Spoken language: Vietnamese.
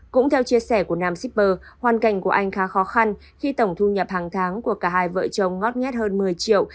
cũng theo chia sẻ của nam shipper hoàn cảnh của anh khá khó khăn khi tổng thu nhập hàng tháng của cả hai vợ chồng ngót nghét hơn một mươi triệu